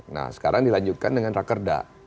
nah sekarang dilanjutkan dengan rakerda